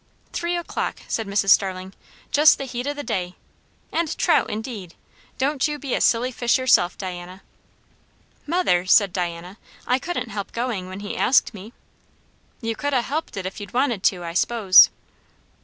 "Three o'clock!" said Mrs. Starling. "Just the heat o' the day. And trout, indeed! Don't you be a silly fish yourself, Diana." "Mother!" said Diana. "I couldn't help going, when he asked me." "You could ha' helped it if you'd wanted to, I s'pose."